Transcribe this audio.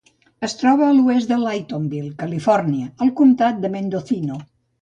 Es troba a l'oest de Laytonville, Califòrnia, al comtat de Mendocino.